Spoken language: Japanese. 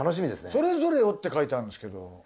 「それぞれを」って書いてあるんですけど。